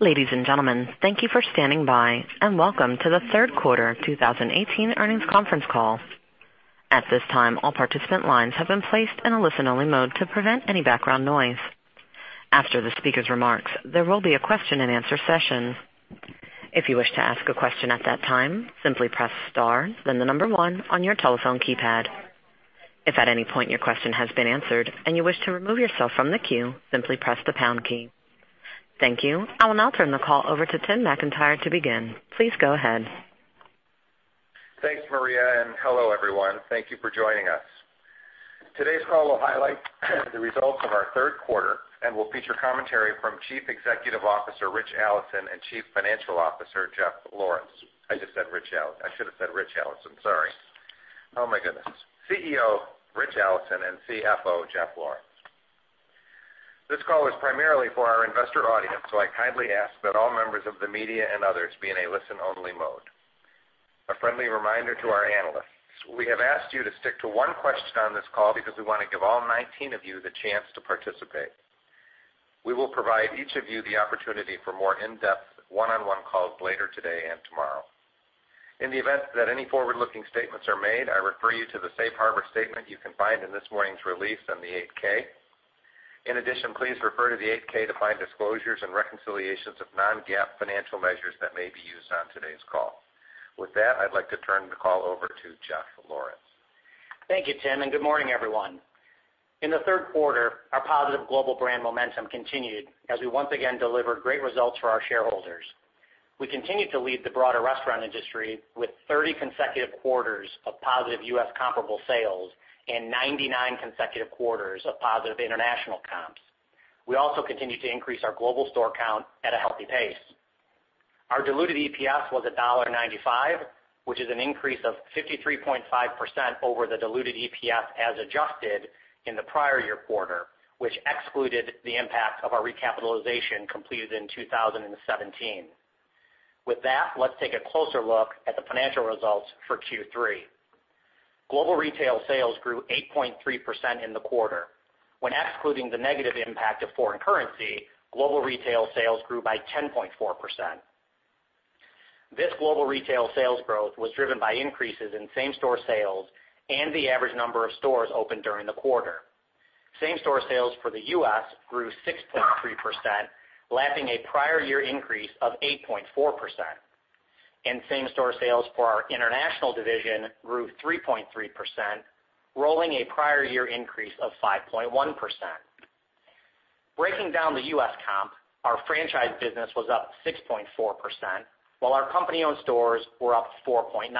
Ladies and gentlemen, thank you for standing by, and welcome to the third quarter 2018 earnings conference call. At this time, all participant lines have been placed in a listen-only mode to prevent any background noise. After the speaker's remarks, there will be a question-and-answer session. If you wish to ask a question at that time, simply press star, then the number 1 on your telephone keypad. If at any point your question has been answered and you wish to remove yourself from the queue, simply press the pound key. Thank you. I will now turn the call over to Tim McIntyre to begin. Please go ahead. Thanks, Maria. Hello, everyone. Thank you for joining us. Today's call will highlight the results of our third quarter and will feature commentary from Chief Executive Officer, Ritch Allison, and Chief Financial Officer, Jeff Lawrence. I just said Ritch Allison. I should have said Ritch Allison. Sorry. Oh my goodness. CEO Ritch Allison and CFO Jeff Lawrence. This call is primarily for our investor audience, I kindly ask that all members of the media and others be in a listen-only mode. A friendly reminder to our analysts. We have asked you to stick to 1 question on this call because we want to give all 19 of you the chance to participate. We will provide each of you the opportunity for more in-depth 1-on-1 calls later today and tomorrow. In the event that any forward-looking statements are made, I refer you to the safe harbor statement you can find in this morning's release on the 8-K. In addition, please refer to the 8-K to find disclosures and reconciliations of non-GAAP financial measures that may be used on today's call. With that, I'd like to turn the call over to Jeff Lawrence. Thank you, Tim. Good morning, everyone. In the third quarter, our positive global brand momentum continued as we once again delivered great results for our shareholders. We continued to lead the broader restaurant industry with 30 consecutive quarters of positive U.S. comparable sales and 99 consecutive quarters of positive international comps. We also continued to increase our global store count at a healthy pace. Our diluted EPS was $1.95, which is an increase of 53.5% over the diluted EPS as adjusted in the prior year quarter, which excluded the impact of our recapitalization completed in 2017. With that, let's take a closer look at the financial results for Q3. Global retail sales grew 8.3% in the quarter. When excluding the negative impact of foreign currency, global retail sales grew by 10.4%. This global retail sales growth was driven by increases in same-store sales and the average number of stores opened during the quarter. Same-store sales for the U.S. grew 6.3%, lapping a prior year increase of 8.4%. Same-store sales for our international division grew 3.3%, rolling a prior year increase of 5.1%. Breaking down the U.S. comp, our franchise business was up 6.4%, while our company-owned stores were up 4.9%.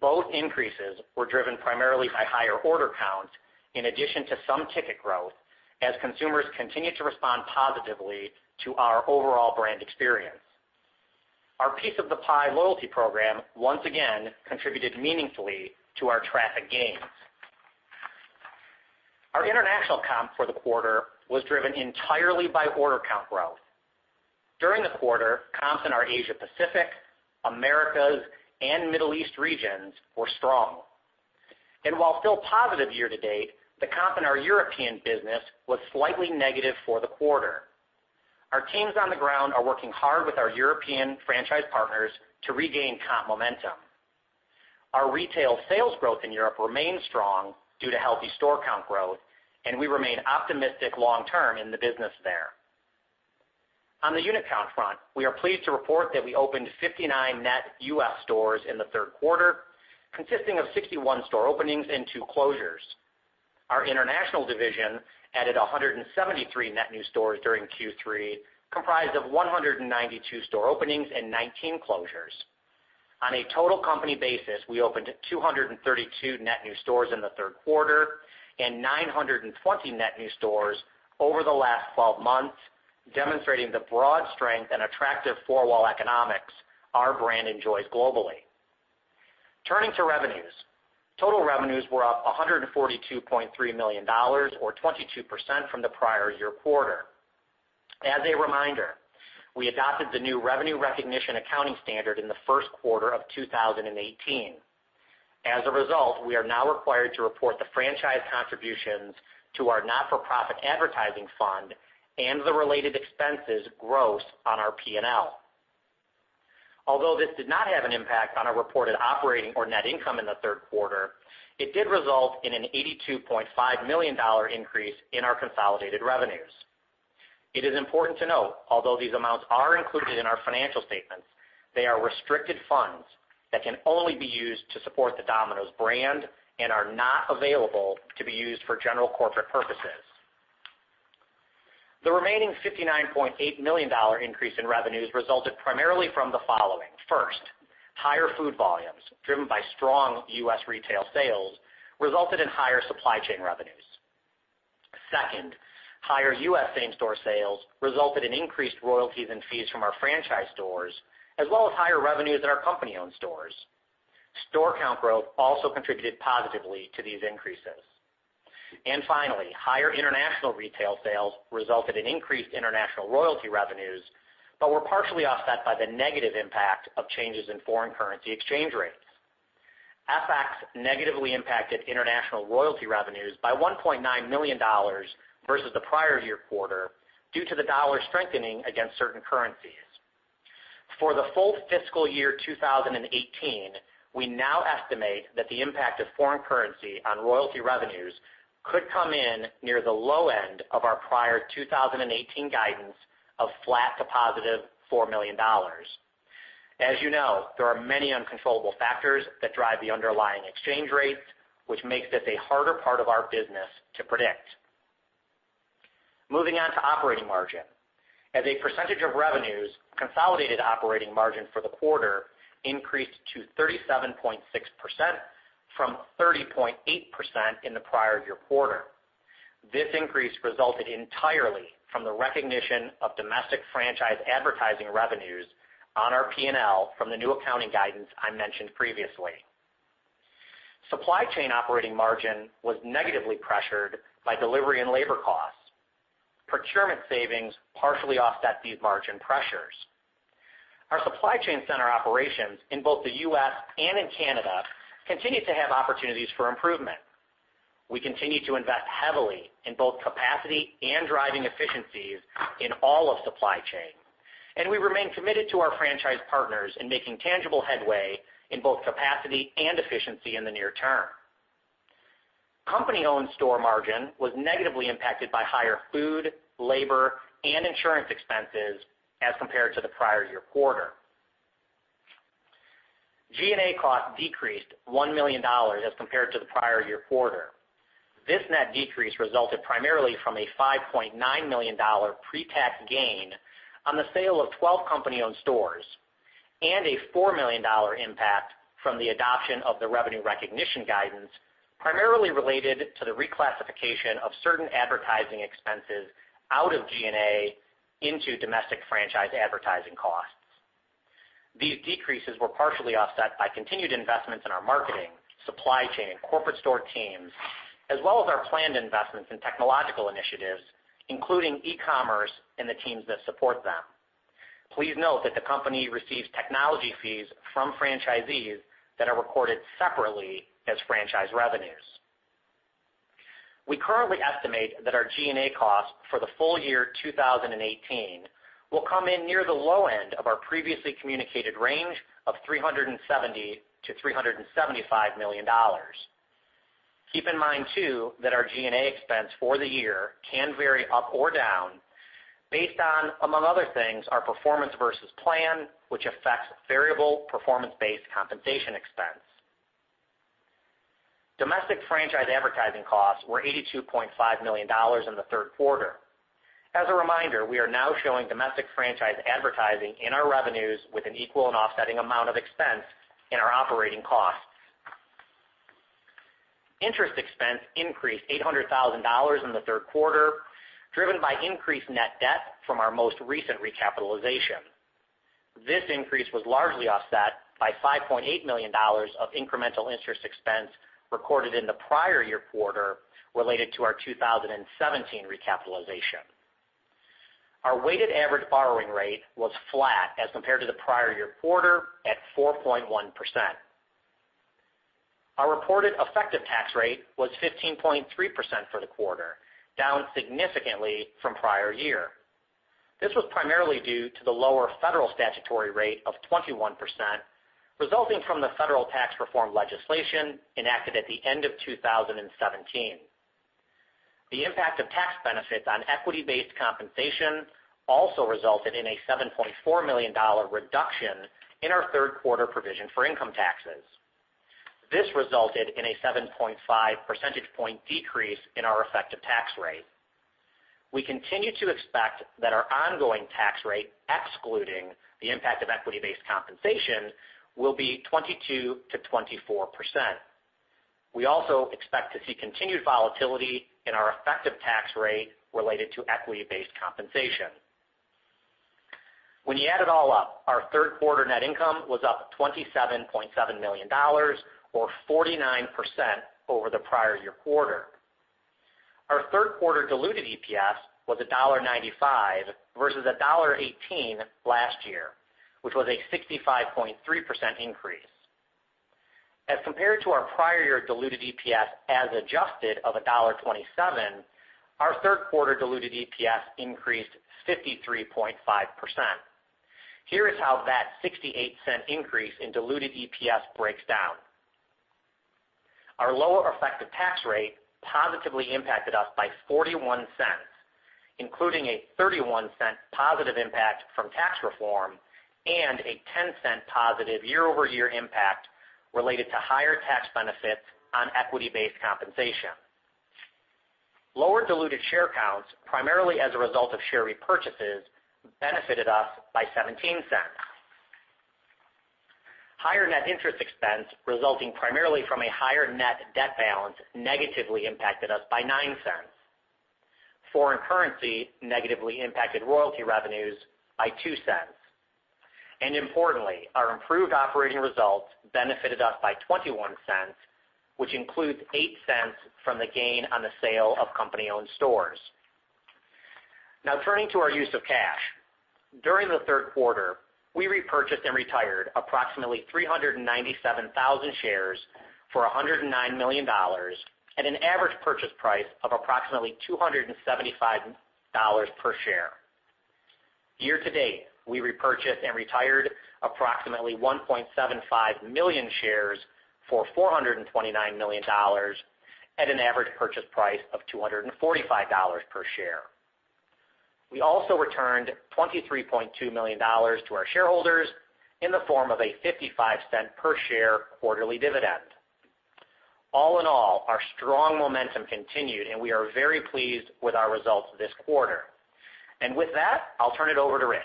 Both increases were driven primarily by higher order counts in addition to some ticket growth as consumers continued to respond positively to our overall brand experience. Our Piece of the Pie Rewards once again contributed meaningfully to our traffic gains. Our international comp for the quarter was driven entirely by order count growth. During the quarter, comps in our Asia Pacific, Americas, and Middle East regions were strong. While still positive year to date, the comp in our European business was slightly negative for the quarter. Our teams on the ground are working hard with our European franchise partners to regain comp momentum. Our retail sales growth in Europe remains strong due to healthy store count growth, and we remain optimistic long term in the business there. On the unit count front, we are pleased to report that we opened 59 net U.S. stores in the third quarter, consisting of 61 store openings and 2 closures. Our international division added 173 net new stores during Q3, comprised of 192 store openings and 19 closures. On a total company basis, we opened 232 net new stores in the third quarter and 920 net new stores over the last 12 months, demonstrating the broad strength and attractive four-wall economics our brand enjoys globally. Turning to revenues. Total revenues were up $142.3 million or 22% from the prior year quarter. As a reminder, we adopted the new revenue recognition accounting standard in the first quarter of 2018. As a result, we are now required to report the franchise contributions to our not-for-profit advertising fund and the related expenses gross on our P&L. Although this did not have an impact on our reported operating or net income in the third quarter, it did result in an $82.5 million increase in our consolidated revenues. It is important to note, although these amounts are included in our financial statements, they are restricted funds that can only be used to support the Domino's brand and are not available to be used for general corporate purposes. The remaining $59.8 million increase in revenues resulted primarily from the following. Higher food volumes driven by strong U.S. retail sales resulted in higher supply chain revenues. Higher U.S. same-store sales resulted in increased royalties and fees from our franchise stores, as well as higher revenues at our company-owned stores. Store count growth also contributed positively to these increases. Finally, higher international retail sales resulted in increased international royalty revenues, but were partially offset by the negative impact of changes in foreign currency exchange rates. FX negatively impacted international royalty revenues by $1.9 million versus the prior year quarter due to the dollar strengthening against certain currencies. For the full fiscal year 2018, we now estimate that the impact of foreign currency on royalty revenues could come in near the low end of our prior 2018 guidance of flat to positive $4 million. As you know, there are many uncontrollable factors that drive the underlying exchange rates, which makes this a harder part of our business to predict. Moving on to operating margin. As a percentage of revenues, consolidated operating margin for the quarter increased to 37.6% from 30.8% in the prior year quarter. This increase resulted entirely from the recognition of domestic franchise advertising revenues on our P&L from the new accounting guidance I mentioned previously. Supply chain operating margin was negatively pressured by delivery and labor costs. Procurement savings partially offset these margin pressures. Our supply chain center operations in both the U.S. and in Canada continue to have opportunities for improvement. We continue to invest heavily in both capacity and driving efficiencies in all of supply chain, and we remain committed to our franchise partners in making tangible headway in both capacity and efficiency in the near term. Company-owned store margin was negatively impacted by higher food, labor, and insurance expenses as compared to the prior year quarter. G&A costs decreased $1 million as compared to the prior year quarter. This net decrease resulted primarily from a $5.9 million pre-tax gain on the sale of 12 company-owned stores, and a $4 million impact from the adoption of the revenue recognition guidance, primarily related to the reclassification of certain advertising expenses out of G&A into domestic franchise advertising costs. These decreases were partially offset by continued investments in our marketing, supply chain, corporate store teams, as well as our planned investments in technological initiatives, including e-commerce and the teams that support them. Please note that the company receives technology fees from franchisees that are recorded separately as franchise revenues. We currently estimate that our G&A cost for the full year 2018 will come in near the low end of our previously communicated range of $370 million-$375 million. Keep in mind too, that our G&A expense for the year can vary up or down based on, among other things, our performance versus plan, which affects variable performance-based compensation expense. Domestic franchise advertising costs were $82.5 million in the third quarter. As a reminder, we are now showing domestic franchise advertising in our revenues with an equal and offsetting amount of expense in our operating costs. Interest expense increased $800,000 in the third quarter, driven by increased net debt from our most recent recapitalization. This increase was largely offset by $5.8 million of incremental interest expense recorded in the prior year quarter related to our 2017 recapitalization. Our weighted average borrowing rate was flat as compared to the prior year quarter at 4.1%. Our reported effective tax rate was 15.3% for the quarter, down significantly from prior year. This was primarily due to the lower federal statutory rate of 21%, resulting from the federal tax reform legislation enacted at the end of 2017. The impact of tax benefits on equity-based compensation also resulted in a $7.4 million reduction in our third quarter provision for income taxes. This resulted in a 7.5 percentage point decrease in our effective tax rate. We continue to expect that our ongoing tax rate, excluding the impact of equity-based compensation, will be 22%-24%. We also expect to see continued volatility in our effective tax rate related to equity-based compensation. When you add it all up, our third quarter net income was up $27.7 million, or 49% over the prior year quarter. Our third quarter diluted EPS was $1.95 versus $1.18 last year, which was a 65.3% increase. As compared to our prior year diluted EPS as adjusted of $1.27, our third quarter diluted EPS increased 53.5%. Here is how that $0.68 increase in diluted EPS breaks down. Our lower effective tax rate positively impacted us by $0.41, including a $0.31 positive impact from tax reform and a $0.10 positive year-over-year impact related to higher tax benefits on equity-based compensation. Lower diluted share counts, primarily as a result of share repurchases, benefited us by $0.17. Higher net interest expense resulting primarily from a higher net debt balance negatively impacted us by $0.09. Foreign currency negatively impacted royalty revenues by $0.02. Importantly, our improved operating results benefited us by $0.21, which includes $0.08 from the gain on the sale of company-owned stores. Now turning to our use of cash. During the third quarter, we repurchased and retired approximately 397,000 shares for $109 million at an average purchase price of approximately $275 per share. Year-to-date, we repurchased and retired approximately 1.75 million shares for $429 million at an average purchase price of $245 per share. We also returned $23.2 million to our shareholders in the form of a $0.55 per share quarterly dividend. All in all, our strong momentum continued, and we are very pleased with our results this quarter. With that, I'll turn it over to Ritch.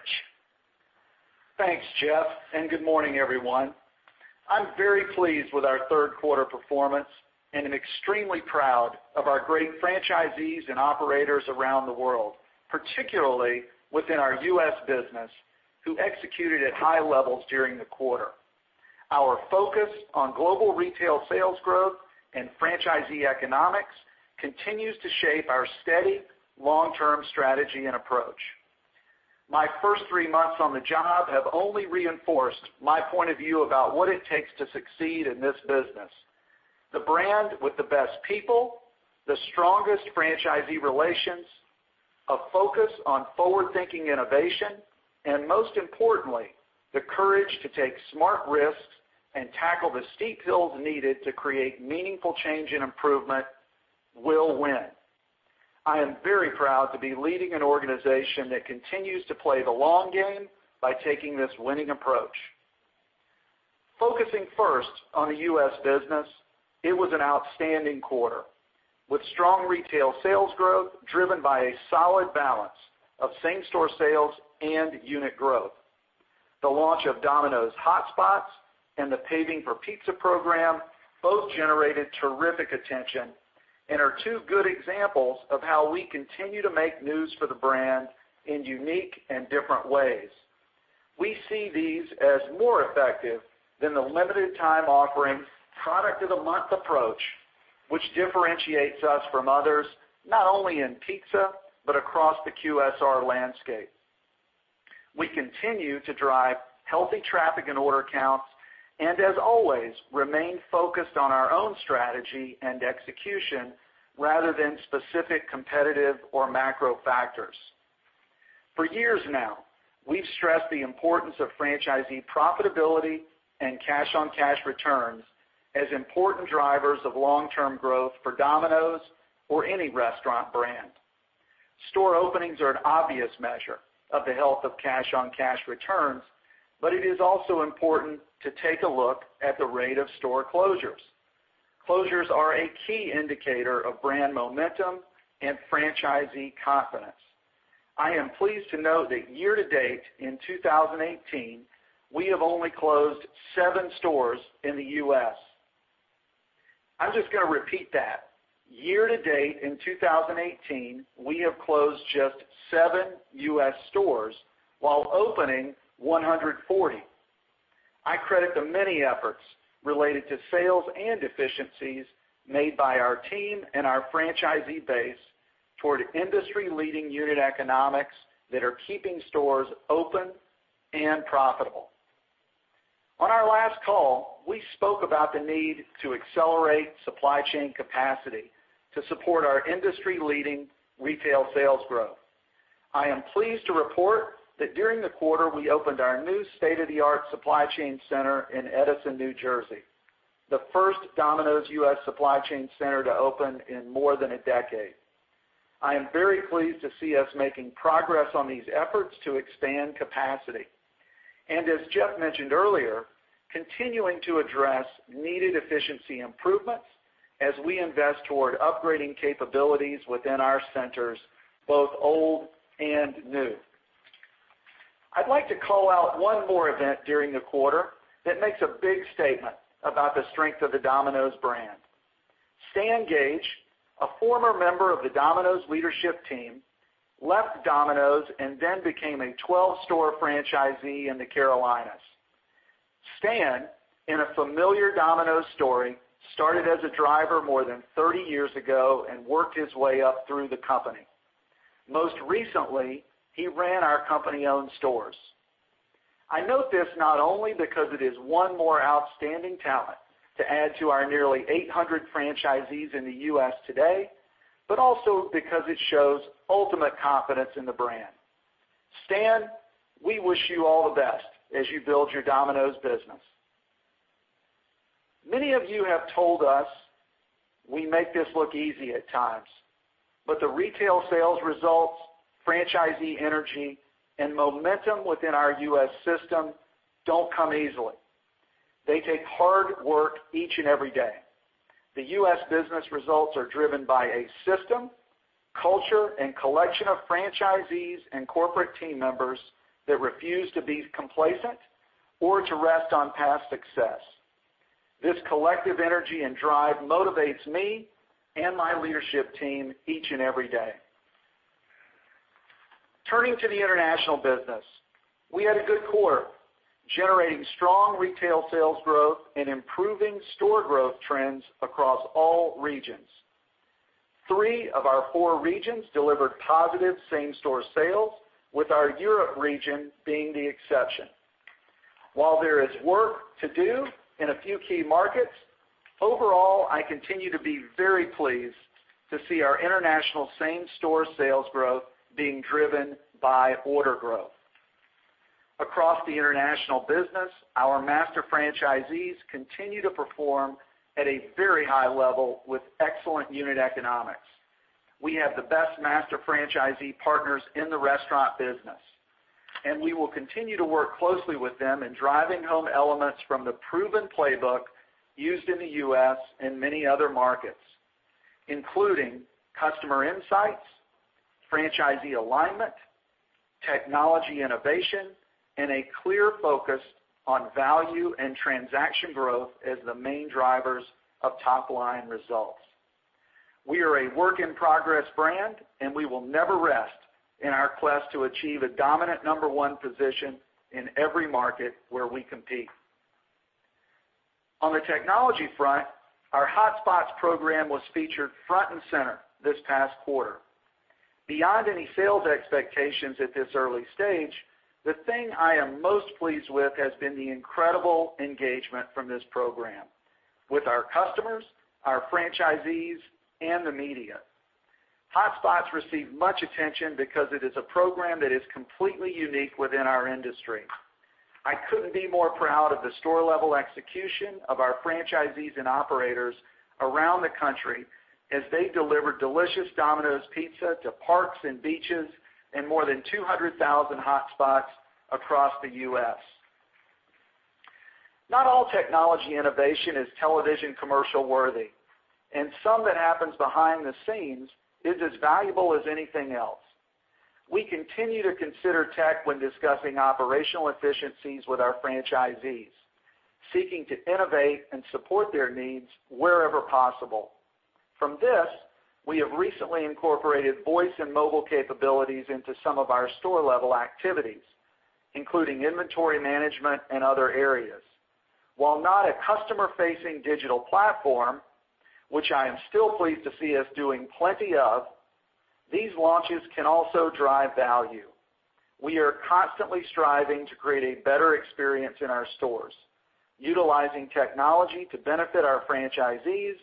Thanks, Jeff, and good morning, everyone. I'm very pleased with our third quarter performance and am extremely proud of our great franchisees and operators around the world, particularly within our U.S. business, who executed at high levels during the quarter. Our focus on global retail sales growth and franchisee economics continues to shape our steady long-term strategy and approach. My first three months on the job have only reinforced my point of view about what it takes to succeed in this business. The brand with the best people, the strongest franchisee relations, a focus on forward-thinking innovation, and most importantly, the courage to take smart risks and tackle the steep hills needed to create meaningful change and improvement will win. I am very proud to be leading an organization that continues to play the long game by taking this winning approach. Focusing first on the U.S. business, it was an outstanding quarter with strong retail sales growth driven by a solid balance of same-store sales and unit growth. The launch of Domino's Hotspots and the Paving for Pizza program both generated terrific attention and are two good examples of how we continue to make news for the brand in unique and different ways. We see these as more effective than the limited time offering product of the month approach, which differentiates us from others, not only in pizza, but across the QSR landscape. We continue to drive healthy traffic and order counts and, as always, remain focused on our own strategy and execution rather than specific competitive or macro factors. For years now, we've stressed the importance of franchisee profitability and cash-on-cash returns as important drivers of long-term growth for Domino's or any restaurant brand. Store openings are an obvious measure of the health of cash-on-cash returns, but it is also important to take a look at the rate of store closures. Closures are a key indicator of brand momentum and franchisee confidence. I am pleased to note that year to date in 2018, we have only closed seven stores in the U.S. I'm just going to repeat that. Year to date in 2018, we have closed just seven U.S. stores while opening 140. I credit the many efforts related to sales and efficiencies made by our team and our franchisee base toward industry-leading unit economics that are keeping stores open and profitable. On our last call, we spoke about the need to accelerate supply chain capacity to support our industry-leading retail sales growth. I am pleased to report that during the quarter, we opened our new state-of-the-art supply chain center in Edison, New Jersey, the first Domino's U.S. supply chain center to open in more than a decade. I am very pleased to see us making progress on these efforts to expand capacity and, as Jeff mentioned earlier, continuing to address needed efficiency improvements as we invest toward upgrading capabilities within our centers, both old and new. I'd like to call out one more event during the quarter that makes a big statement about the strength of the Domino's brand. Stan Gage, a former member of the Domino's leadership team, left Domino's and then became a 12-store franchisee in the Carolinas. Stan, in a familiar Domino's story, started as a driver more than 30 years ago and worked his way up through the company. Most recently, he ran our company-owned stores. I note this not only because it is one more outstanding talent to add to our nearly 800 franchisees in the U.S. today, but also because it shows ultimate confidence in the brand. Stan, we wish you all the best as you build your Domino's business. Many of you have told us we make this look easy at times, but the retail sales results, franchisee energy, and momentum within our U.S. system don't come easily. They take hard work each and every day. The U.S. business results are driven by a system, culture, and collection of franchisees and corporate team members that refuse to be complacent or to rest on past success. This collective energy and drive motivates me and my leadership team each and every day. Turning to the international business, we had a good quarter. Generating strong retail sales growth and improving store growth trends across all regions. Three of our four regions delivered positive same-store sales, with our Europe region being the exception. While there is work to do in a few key markets, overall, I continue to be very pleased to see our international same-store sales growth being driven by order growth. Across the international business, our master franchisees continue to perform at a very high level with excellent unit economics. We have the best master franchisee partners in the restaurant business, and we will continue to work closely with them in driving home elements from the proven playbook used in the U.S. and many other markets, including customer insights, franchisee alignment, technology innovation, and a clear focus on value and transaction growth as the main drivers of top-line results. We are a work-in-progress brand, and we will never rest in our quest to achieve a dominant number one position in every market where we compete. On the technology front, our Hotspots program was featured front and center this past quarter. Beyond any sales expectations at this early stage, the thing I am most pleased with has been the incredible engagement from this program with our customers, our franchisees, and the media. Hotspots received much attention because it is a program that is completely unique within our industry. I couldn't be more proud of the store-level execution of our franchisees and operators around the country as they delivered delicious Domino's Pizza to parks and beaches and more than 200,000 hotspots across the U.S. Not all technology innovation is television commercial worthy, and some that happens behind the scenes is as valuable as anything else. We continue to consider tech when discussing operational efficiencies with our franchisees, seeking to innovate and support their needs wherever possible. From this, we have recently incorporated voice and mobile capabilities into some of our store-level activities, including inventory management and other areas. While not a customer-facing digital platform, which I am still pleased to see us doing plenty of, these launches can also drive value. We are constantly striving to create a better experience in our stores. Utilizing technology to benefit our franchisees,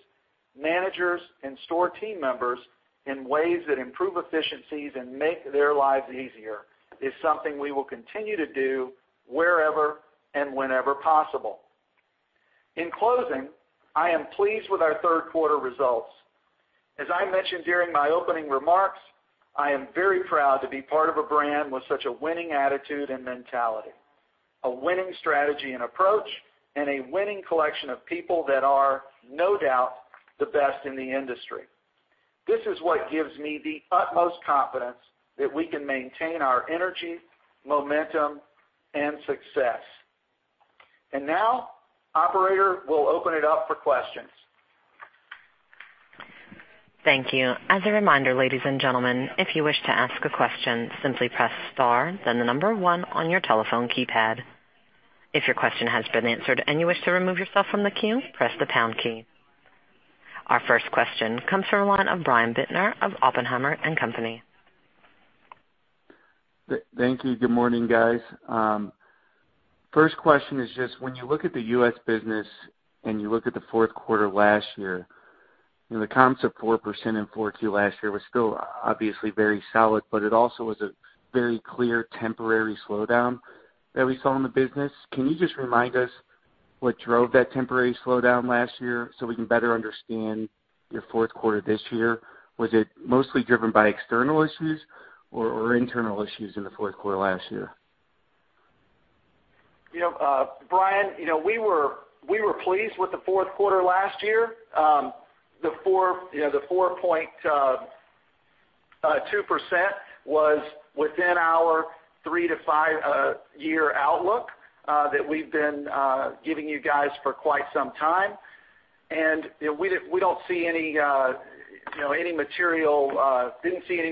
managers, and store team members in ways that improve efficiencies and make their lives easier is something we will continue to do wherever and whenever possible. In closing, I am pleased with our third quarter results. As I mentioned during my opening remarks, I am very proud to be part of a brand with such a winning attitude and mentality, a winning strategy and approach, and a winning collection of people that are no doubt the best in the industry. This is what gives me the utmost confidence that we can maintain our energy, momentum, and success. Now, operator, we'll open it up for questions. Thank you. As a reminder, ladies and gentlemen, if you wish to ask a question, simply press star, then the number one on your telephone keypad. If your question has been answered and you wish to remove yourself from the queue, press the pound key. Our first question comes from the line of Brian Bittner of Oppenheimer & Co. Inc. Thank you. Good morning, guys. First question is just when you look at the U.S. business and you look at the fourth quarter last year, the comps of 4% in Q4 last year was still obviously very solid, it also was a very clear temporary slowdown that we saw in the business. Can you just remind us what drove that temporary slowdown last year so we can better understand your fourth quarter this year? Was it mostly driven by external issues or internal issues in the fourth quarter last year? Brian, we were pleased with the fourth quarter last year. The 4.2% was within our 3-5-year outlook that we've been giving you guys for quite some time, we didn't see any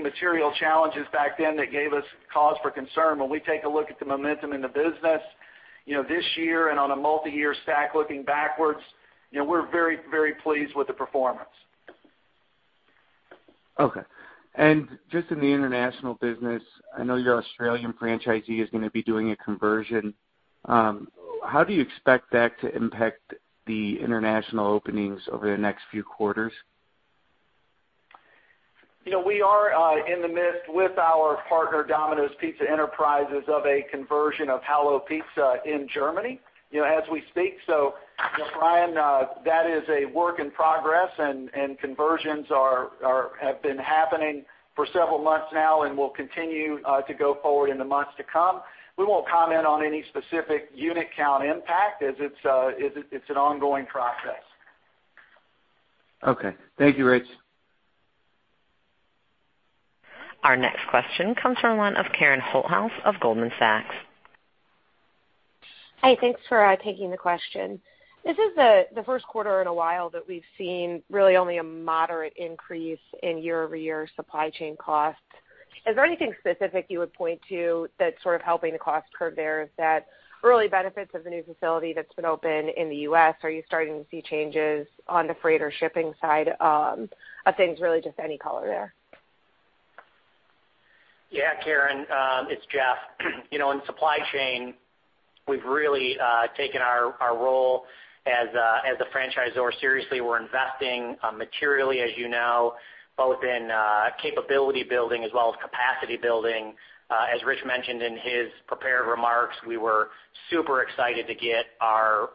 material challenges back then that gave us cause for concern. When we take a look at the momentum in the business this year and on a multi-year stack looking backwards, we're very pleased with the performance. Okay. Just in the international business, I know your Australian franchisee is going to be doing a conversion. How do you expect that to impact the international openings over the next few quarters? We are in the midst with our partner, Domino's Pizza Enterprises, of a conversion of Hallo Pizza in Germany as we speak. Brian, that is a work in progress, and conversions have been happening for several months now and will continue to go forward in the months to come. We won't comment on any specific unit count impact as it's an ongoing process. Okay. Thank you, Ritch. Our next question comes from the line of Karen Holthouse of Goldman Sachs. Hi. Thanks for taking the question. This is the first quarter in a while that we've seen really only a moderate increase in year-over-year supply chain costs. Is there anything specific you would point to that's sort of helping the cost curve there? Is that early benefits of the new facility that's been open in the U.S.? Are you starting to see changes on the freight or shipping side of things, really just any color there? Yeah, Karen. It's Jeff. In supply chain, we've really taken our role as a franchisor seriously. We're investing materially, as you know, both in capability building as well as capacity building. As Ritch mentioned in his prepared remarks, we were super excited to get our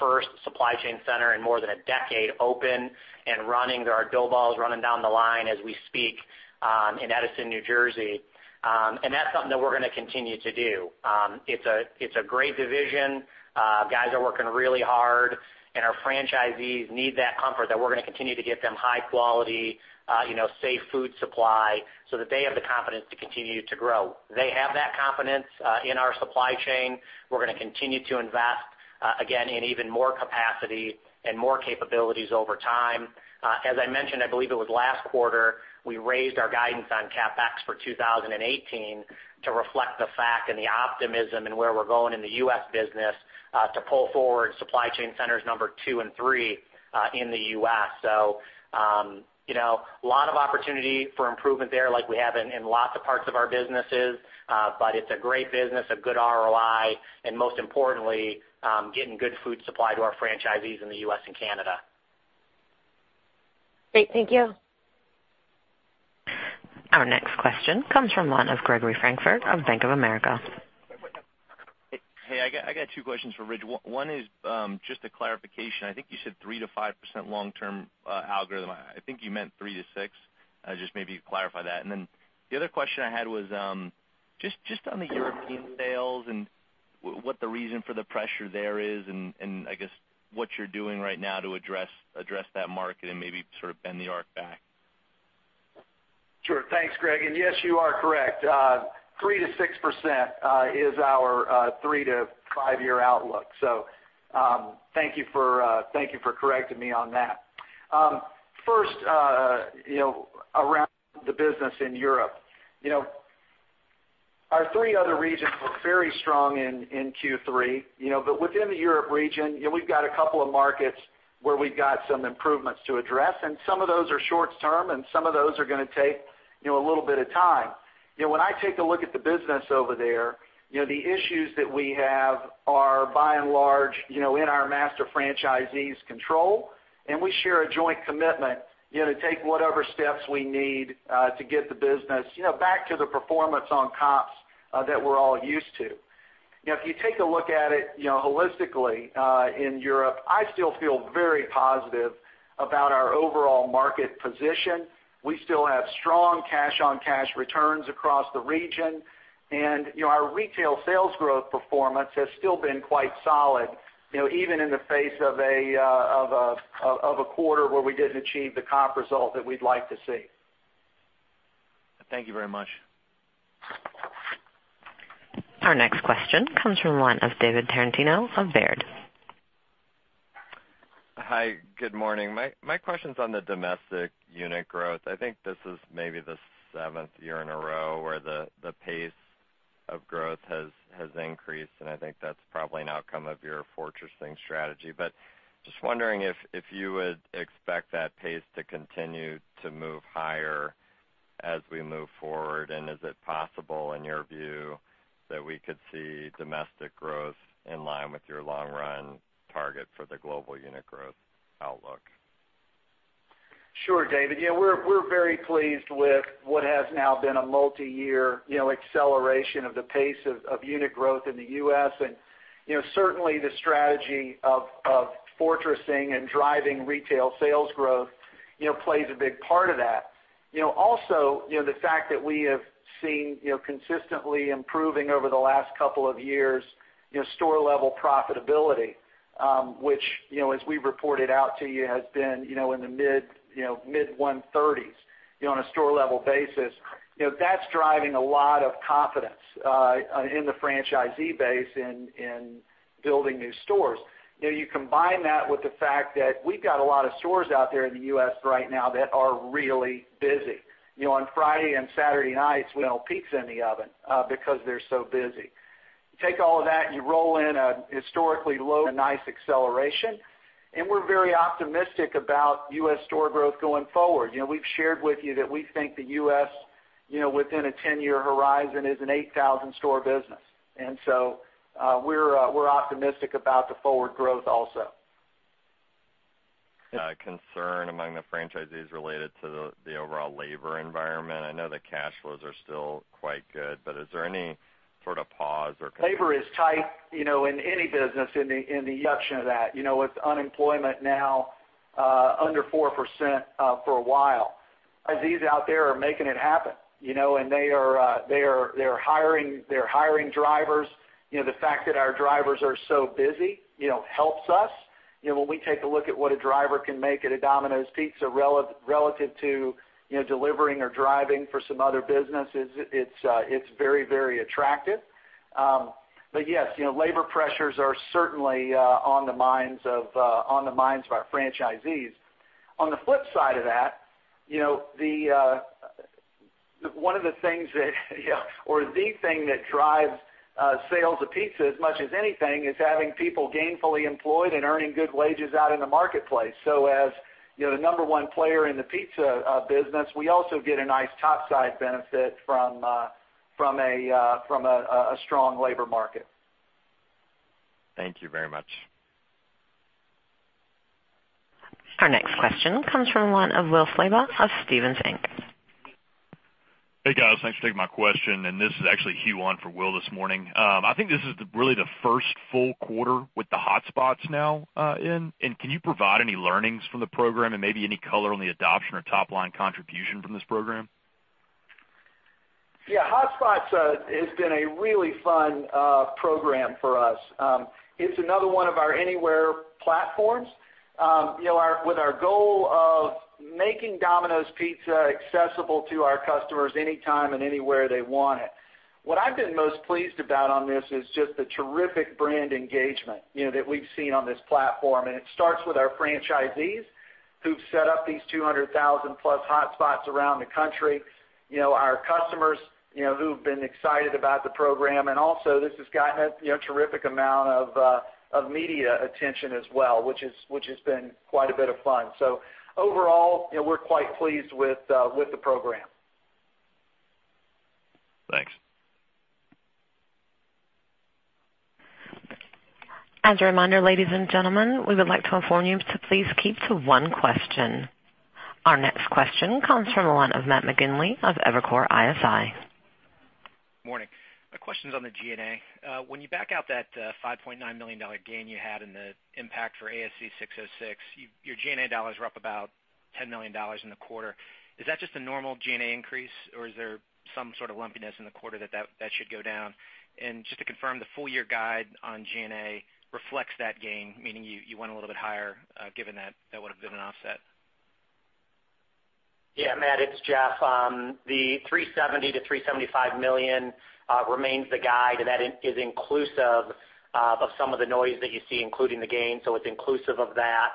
first supply chain center in more than a decade open and running. There are dough balls running down the line as we speak in Edison, New Jersey. That's something that we're going to continue to do. It's a great division. Guys are working really hard, and our franchisees need that comfort that we're going to continue to get them high quality, safe food supply so that they have the confidence to continue to grow. They have that confidence in our supply chain. We're going to continue to invest, again, in even more capacity and more capabilities over time. As I mentioned, I believe it was last quarter, we raised our guidance on CapEx for 2018 to reflect the fact and the optimism in where we're going in the U.S. business to pull forward supply chain centers number 2 and 3 in the U.S. A lot of opportunity for improvement there like we have in lots of parts of our businesses. It's a great business, a good ROI, and most importantly, getting good food supply to our franchisees in the U.S. and Canada. Great. Thank you. Our next question comes from the line of Gregory Francfort of Bank of America. Hey, I got two questions for Ritch. One is just a clarification. I think you said 3% to 5% long-term algorithm. I think you meant 3% to 6%. Just maybe clarify that. The other question I had was just on the European sales and what the reason for the pressure there is and I guess what you're doing right now to address that market and maybe sort of bend the arc back. Sure. Thanks, Greg, and yes, you are correct. 3% to 6% is our three to five-year outlook. Thank you for correcting me on that. First, around the business in Europe. Our three other regions were very strong in Q3. Within the Europe region, we've got a couple of markets where we've got some improvements to address, and some of those are short-term, and some of those are going to take a little bit of time. When I take a look at the business over there, the issues that we have are by and large in our master franchisees' control, and we share a joint commitment to take whatever steps we need to get the business back to the performance on comps that we're all used to. If you take a look at it holistically in Europe, I still feel very positive about our overall market position. We still have strong cash-on-cash returns across the region. Our retail sales growth performance has still been quite solid even in the face of a quarter where we didn't achieve the comp result that we'd like to see. Thank you very much. Our next question comes from the line of David Tarantino of Baird. Hi, good morning. My question's on the domestic unit growth. I think this is maybe the seventh year in a row where the pace of growth has increased, and I think that's probably an outcome of your fortressing strategy. Just wondering if you would expect that pace to continue to move higher as we move forward, and is it possible, in your view, that we could see domestic growth in line with your long run target for the global unit growth outlook? Sure, David. Yeah, we're very pleased with what has now been a multi-year acceleration of the pace of unit growth in the U.S. Certainly the strategy of fortressing and driving retail sales growth plays a big part of that. Also, the fact that we have seen consistently improving over the last couple of years store level profitability, which as we've reported out to you, has been in the mid 130s on a store level basis. That's driving a lot of confidence in the franchisee base in building new stores. You combine that with the fact that we've got a lot of stores out there in the U.S. right now that are really busy. On Friday and Saturday nights, we have pizza in the oven because they're so busy. You take all of that, and you roll in a historically low, a nice acceleration, and we're very optimistic about U.S. store growth going forward. We've shared with you that we think the U.S., within a 10-year horizon, is an 8,000 store business. We're optimistic about the forward growth also. Concern among the franchisees related to the overall labor environment. I know the cash flows are still quite good, is there any sort of pause or? Labor is tight in any business in the of that. With unemployment now under 4% for a while. These out there are making it happen. They are hiring drivers. The fact that our drivers are so busy helps us. When we take a look at what a driver can make at a Domino's Pizza relative to delivering or driving for some other businesses, it's very attractive. Yes, labor pressures are certainly on the minds of our franchisees. On the flip side of that, one of the things that or the thing that drives sales of pizza as much as anything is having people gainfully employed and earning good wages out in the marketplace. As the number one player in the pizza business, we also get a nice top side benefit from a strong labor market. Thank you very much. Our next question comes from the line of Will Slayton of Stephens Inc. Hey, guys. Thanks for taking my question. This is actually Huwan for Will this morning. I think this is really the first full quarter with the Hotspots now in. Can you provide any learnings from the program and maybe any color on the adoption or top-line contribution from this program? Yeah. Hotspots has been a really fun program for us. It's another one of our anywhere platforms with our goal of making Domino's Pizza accessible to our customers anytime and anywhere they want it. What I've been most pleased about on this is just the terrific brand engagement that we've seen on this platform. It starts with our franchisees who've set up these 200,000-plus Hotspots around the country. Our customers who've been excited about the program. Also this has gotten a terrific amount of media attention as well, which has been quite a bit of fun. Overall, we're quite pleased with the program. Thanks. As a reminder, ladies and gentlemen, we would like to inform you to please keep to one question. Our next question comes from the line of Matt McGinley of Evercore ISI. Morning. My question's on the G&A. When you back out that $5.9 million gain you had in the impact for ASC 606, your G&A dollars were up about $10 million in the quarter. Is that just a normal G&A increase, or is there some sort of lumpiness in the quarter that should go down? Just to confirm, the full year guide on G&A reflects that gain, meaning you went a little bit higher given that that would've been an offset. Yeah, Matt McGinley, it's Jeff Lawrence. The $370 million-$375 million remains the guide, and that is inclusive of some of the noise that you see, including the gain. It's inclusive of that.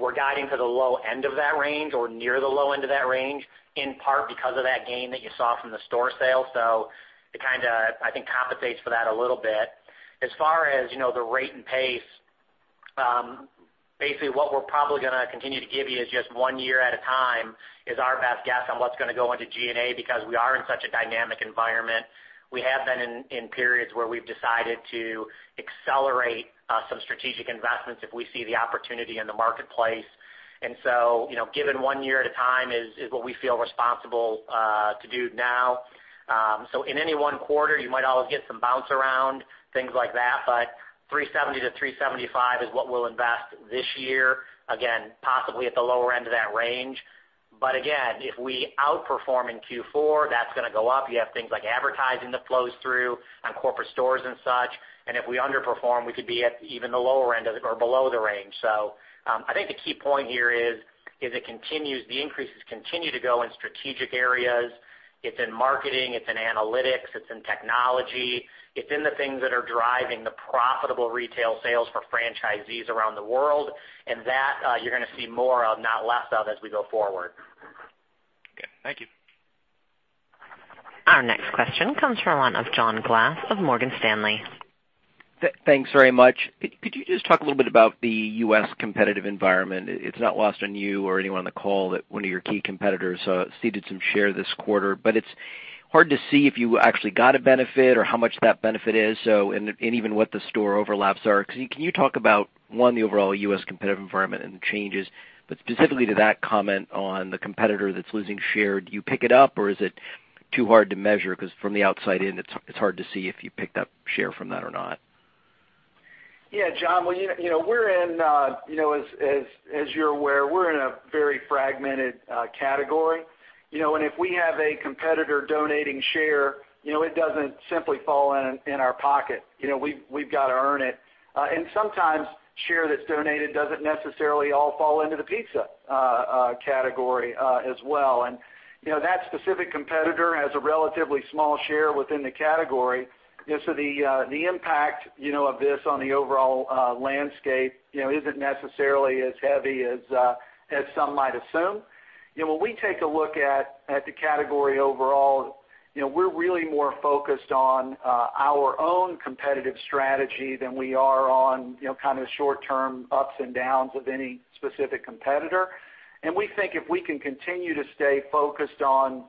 We're guiding to the low end of that range or near the low end of that range, in part because of that gain that you saw from the store sale. It kind of, I think, compensates for that a little bit. As far as the rate and pace, basically what we're probably going to continue to give you is just one year at a time is our best guess on what's going to go into G&A because we are in such a dynamic environment. We have been in periods where we've decided to accelerate some strategic investments if we see the opportunity in the marketplace. Given one year at a time is what we feel responsible to do now. In any one quarter, you might always get some bounce around, things like that, but $370 million-$375 million is what we'll invest this year. Again, possibly at the lower end of that range. Again, if we outperform in Q4, that's going to go up. You have things like advertising that flows through on corporate stores and such, and if we underperform, we could be at even the lower end or below the range. I think the key point here is the increases continue to go in strategic areas. It's in marketing, it's in analytics, it's in technology, it's in the things that are driving the profitable retail sales for franchisees around the world. That, you're going to see more of, not less of as we go forward. Okay. Thank you. Our next question comes from the line of John Glass of Morgan Stanley. Thanks very much. Could you just talk a little bit about the U.S. competitive environment? It's not lost on you or anyone on the call that one of your key competitors ceded some share this quarter, but it's hard to see if you actually got a benefit or how much that benefit is. Even what the store overlaps are. Can you talk about, one, the overall U.S. competitive environment and the changes, but specifically to that comment on the competitor that's losing share. Do you pick it up, or is it too hard to measure? From the outside in, it's hard to see if you picked up share from that or not. Yeah, John. As you're aware, we're in a very fragmented category. If we have a competitor donating share, it doesn't simply fall in our pocket. We've got to earn it. Sometimes share that's donated doesn't necessarily all fall into the pizza category as well. That specific competitor has a relatively small share within the category. The impact of this on the overall landscape isn't necessarily as heavy as some might assume. When we take a look at the category overall, we're really more focused on our own competitive strategy than we are on kind of the short-term ups and downs of any specific competitor. We think if we can continue to stay focused on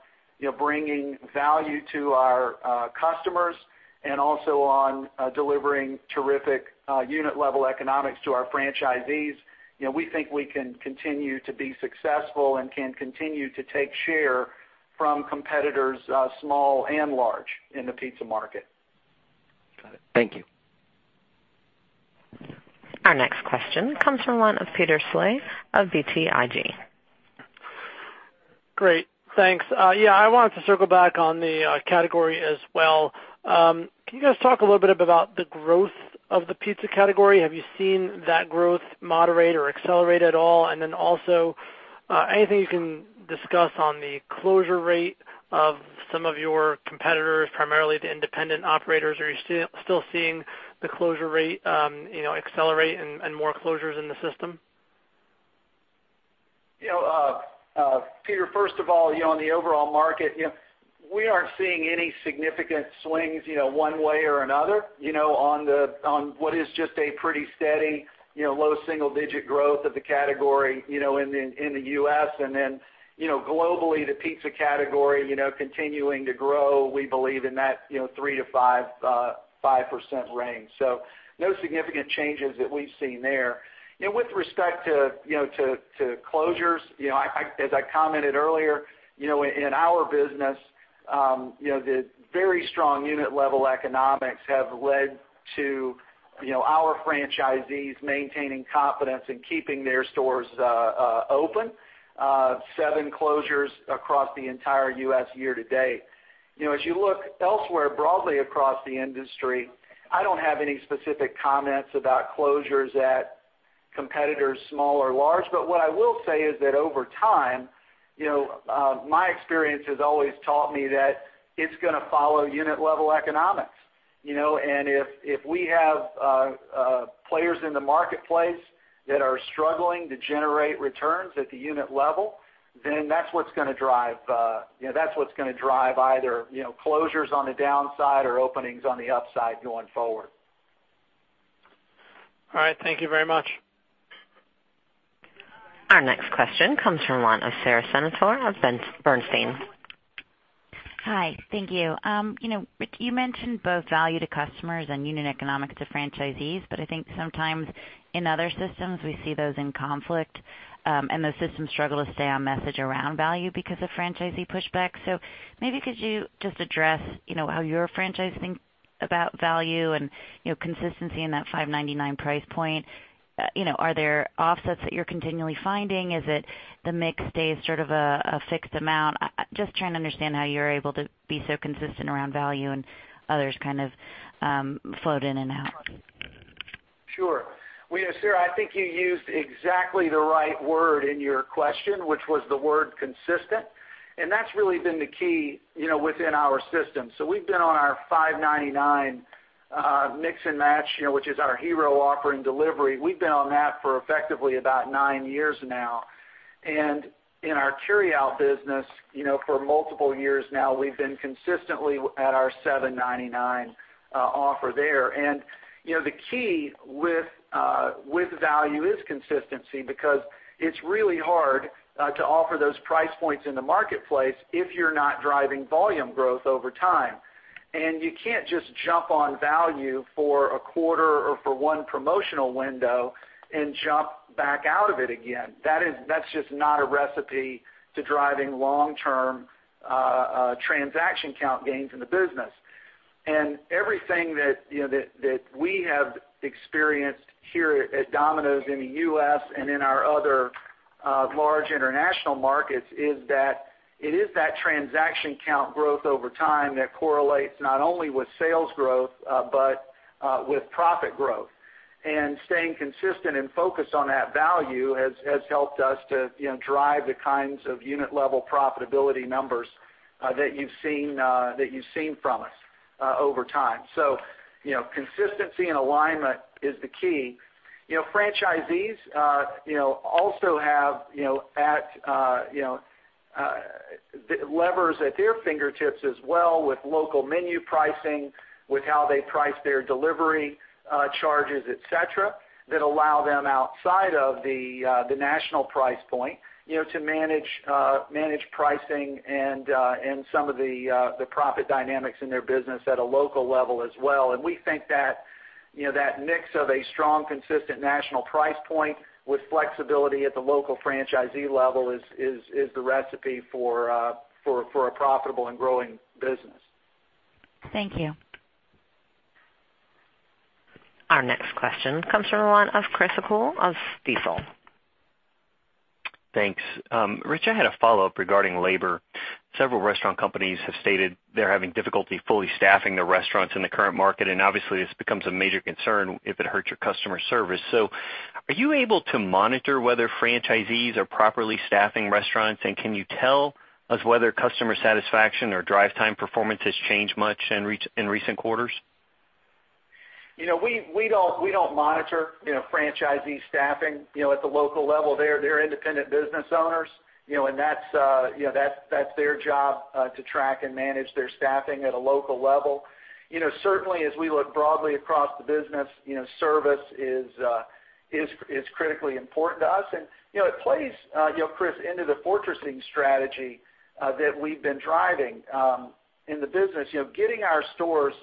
bringing value to our customers and also on delivering terrific unit-level economics to our franchisees, we think we can continue to be successful and can continue to take share from competitors, small and large, in the pizza market. Got it. Thank you. Our next question comes from the line of Peter Saleh of BTIG. Great. Thanks. Yeah, I wanted to circle back on the category as well. Can you guys talk a little bit about the growth of the pizza category? Have you seen that growth moderate or accelerate at all? Anything you can discuss on the closure rate of some of your competitors, primarily the independent operators? Are you still seeing the closure rate accelerate and more closures in the system? Peter, first of all, on the overall market, we aren't seeing any significant swings one way or another, on what is just a pretty steady, low single-digit growth of the category in the U.S. Then globally, the pizza category continuing to grow, we believe, in that 3%-5% range. No significant changes that we've seen there. With respect to closures, as I commented earlier, in our business, the very strong unit level economics have led to our franchisees maintaining confidence and keeping their stores open. Seven closures across the entire U.S. year to date. As you look elsewhere, broadly across the industry, I don't have any specific comments about closures at competitors, small or large. What I will say is that over time, my experience has always taught me that it's going to follow unit level economics. If we have players in the marketplace that are struggling to generate returns at the unit level, then that's what's going to drive either closures on the downside or openings on the upside going forward. All right. Thank you very much. Our next question comes from the line of Sara Senatore of Bernstein. Hi. Thank you. Ritch, you mentioned both value to customers and unit economics to franchisees, but I think sometimes in other systems, we see those in conflict, and those systems struggle to stay on message around value because of franchisee pushback. Maybe could you just address how your franchisees think about value and consistency in that $5.99 price point? Are there offsets that you're continually finding? Is it the mix stays sort of a fixed amount? Just trying to understand how you're able to be so consistent around value and others kind of float in and out. Sure. Sara, I think you used exactly the right word in your question, which was the word consistent, and that's really been the key within our system. We've been on our $5.99 Mix & Match, which is our hero offer in delivery. We've been on that for effectively about nine years now. In our carryout business, for multiple years now, we've been consistently at our $7.99 offer there. The key with value is consistency because it's really hard to offer those price points in the marketplace if you're not driving volume growth over time. You can't just jump on value for a quarter or for one promotional window and jump back out of it again. That's just not a recipe to driving long-term transaction count gains in the business. Everything that we have experienced here at Domino's in the U.S. and in our other large international markets is that it is that transaction count growth over time that correlates not only with sales growth, but with profit growth. Staying consistent and focused on that value has helped us to drive the kinds of unit level profitability numbers that you've seen from us over time. Consistency and alignment is the key. Franchisees also have levers at their fingertips as well with local menu pricing, with how they price their delivery charges, et cetera, that allow them outside of the national price point to manage pricing and some of the profit dynamics in their business at a local level as well. We think that mix of a strong, consistent national price point with flexibility at the local franchisee level is the recipe for a profitable and growing business. Thank you. Our next question comes from the line of Chris O'Cull of Stifel. Thanks. Ritch, I had a follow-up regarding labor. Several restaurant companies have stated they're having difficulty fully staffing their restaurants in the current market, and obviously this becomes a major concern if it hurts your customer service. Are you able to monitor whether franchisees are properly staffing restaurants, and can you tell us whether customer satisfaction or drive time performance has changed much in recent quarters? We don't monitor franchisee staffing at the local level. They're independent business owners, that's their job to track and manage their staffing at a local level. Certainly, as we look broadly across the business, service is critically important to us, it plays, Chris, into the fortressing strategy that we've been driving in the business. Getting our stores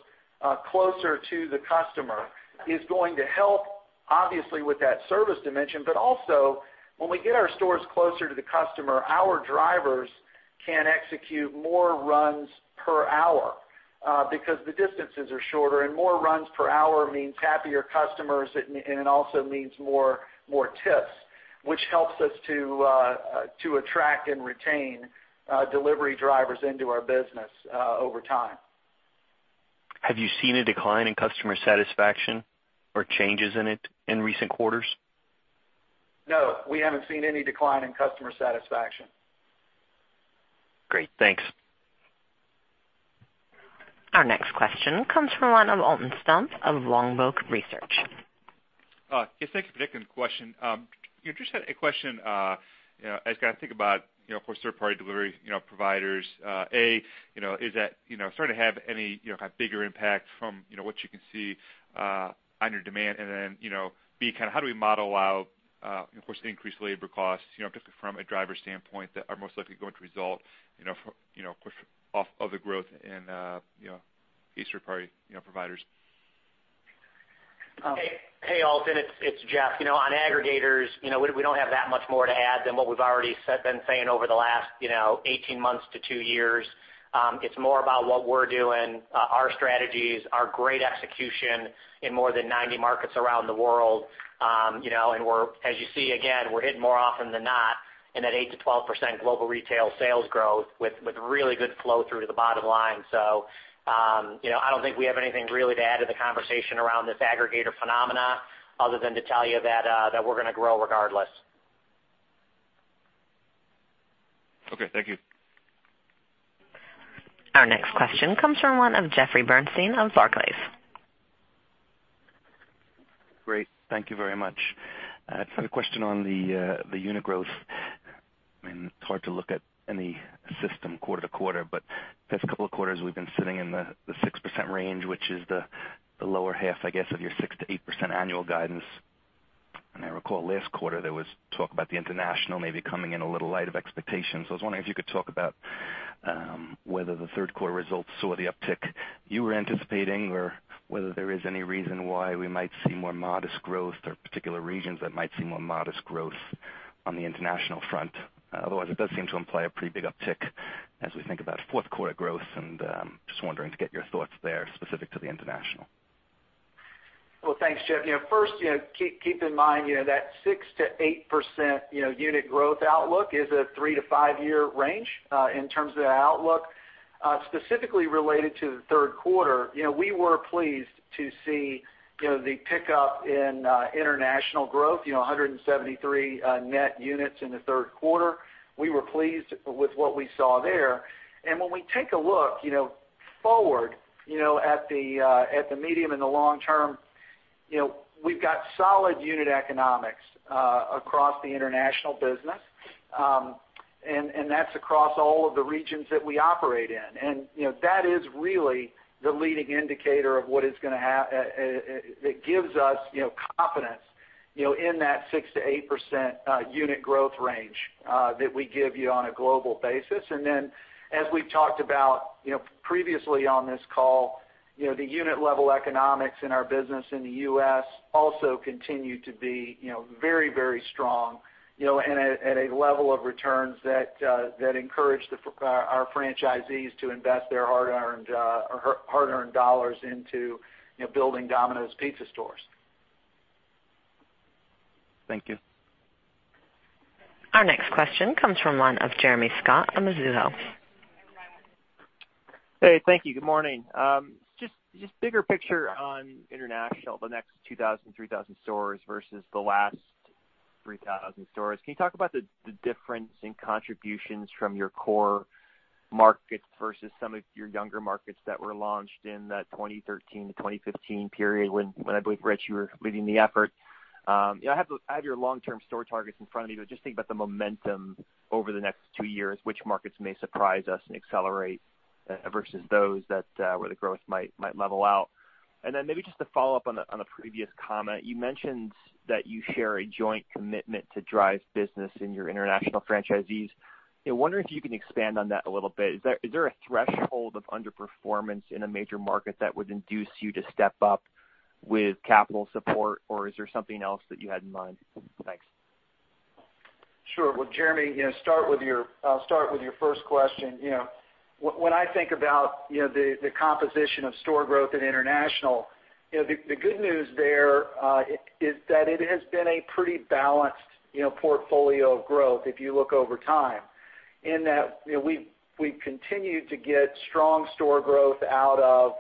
closer to the customer is going to help, obviously, with that service dimension, also when we get our stores closer to the customer, our drivers can execute more runs per hour because the distances are shorter, more runs per hour means happier customers and also means more tips, which helps us to attract and retain delivery drivers into our business over time. Have you seen a decline in customer satisfaction or changes in it in recent quarters? No. We haven't seen any decline in customer satisfaction. Great. Thanks. Our next question comes from the line of Alton Stump of Longbow Research. Yes. Thank you for taking the question. Just had a question, as I think about third-party delivery providers. A, is that starting to have any bigger impact from what you can see on your demand? B, how do we model out increased labor costs, particularly from a driver standpoint, that are most likely going to result off of the growth in these third-party providers? Hey, Alton. It's Jeff. On aggregators, we don't have that much more to add than what we've already been saying over the last 18 months to two years. It's more about what we're doing, our strategies, our great execution in more than 90 markets around the world. As you see again, we're hitting more often than not in that 8%-12% global retail sales growth with really good flow through to the bottom line. I don't think we have anything really to add to the conversation around this aggregator phenomena other than to tell you that we're going to grow regardless. Okay. Thank you. Our next question comes from the line of Jeffrey Bernstein of Barclays. Great. Thank you very much. I just had a question on the unit growth. It's hard to look at any system quarter to quarter, but the past couple of quarters, we've been sitting in the 6% range, which is the lower half, I guess, of your 6%-8% annual guidance. I recall last quarter, there was talk about the international maybe coming in a little light of expectations. I was wondering if you could talk about whether the third quarter results saw the uptick you were anticipating, or whether there is any reason why we might see more modest growth or particular regions that might see more modest growth on the international front. Otherwise, it does seem to imply a pretty big uptick as we think about fourth quarter growth and just wondering to get your thoughts there specific to the international. Well, thanks, Jeff. First, keep in mind that 6%-8% unit growth outlook is a three- to five-year range in terms of the outlook. Specifically related to the third quarter, we were pleased to see the pickup in international growth, 173 net units in the third quarter. We were pleased with what we saw there. When we take a look forward at the medium and the long term, we've got solid unit economics across the international business. That's across all of the regions that we operate in. That is really the leading indicator that gives us confidence in that 6%-8% unit growth range that we give you on a global basis. As we've talked about previously on this call, the unit level economics in our business in the U.S. also continue to be very strong, and at a level of returns that encourage our franchisees to invest their hard-earned dollars into building Domino's Pizza stores. Thank you. Our next question comes from the line of Jeremy Scott of Mizuho. Hey, thank you. Good morning. Just bigger picture on international, the next 2,000, 3,000 stores versus the last 3,000 stores. Can you talk about the difference in contributions from your core markets versus some of your younger markets that were launched in that 2013 to 2015 period when I believe, Rich, you were leading the effort? I have your long-term store targets in front of me, but just thinking about the momentum over the next two years, which markets may surprise us and accelerate versus those where the growth might level out. Maybe just to follow up on the previous comment, you mentioned that you share a joint commitment to drive business in your international franchisees. I wonder if you can expand on that a little bit. Is there a threshold of underperformance in a major market that would induce you to step up with capital support, or is there something else that you had in mind? Thanks. Sure. Well, Jeremy, I'll start with your first question. When I think about the composition of store growth in international, the good news there is that it has been a pretty balanced portfolio of growth if you look over time, in that we've continued to get strong store growth out of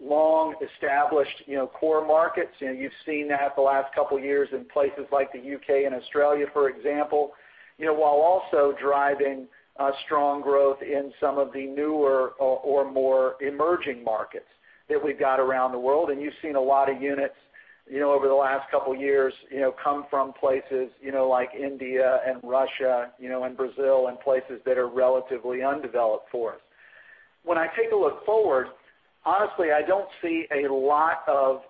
long-established core markets. You've seen that the last couple of years in places like the U.K. and Australia, for example, while also driving strong growth in some of the newer or more emerging markets that we've got around the world. You've seen a lot of units over the last couple of years come from places like India and Russia and Brazil and places that are relatively undeveloped for us. When I take a look forward, honestly, I don't see a lot of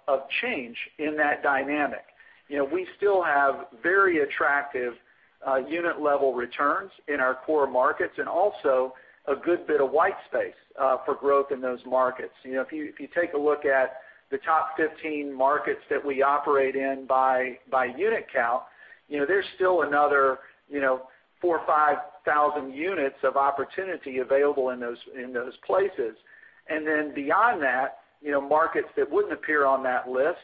change in that dynamic. We still have very attractive unit level returns in our core markets and also a good bit of white space for growth in those markets. If you take a look at the top 15 markets that we operate in by unit count, there's still another 4,000 or 5,000 units of opportunity available in those places. Then beyond that, markets that wouldn't appear on that list,